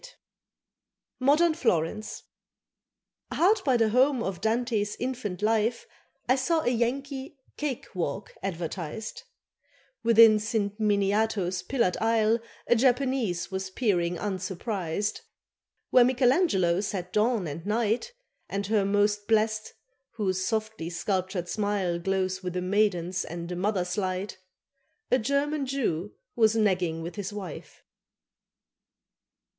XIX MODERN FLORENCE HARD by the home of Dante's infant life I saw a Yankee "Kake Walk" advertised; Within San Miniato's pillared aisle A Japanese was peering unsurprised; Where Michelangelo set "Dawn" and "Night," And her, most blest, whose softly sculptured smile Glows with a maiden's and a mother's light, A German Jew was nagging with his wife.